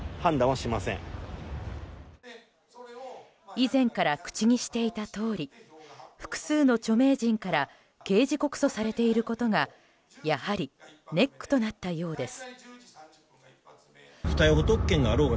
以前から口にしていたとおり複数の著名人から刑事告訴されていることがやはりネックとなったようです。